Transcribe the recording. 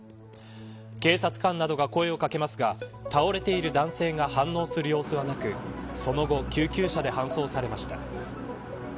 警察官などが声を掛けますが倒れている男性が反応する様子はなくその後救急車で搬送されました。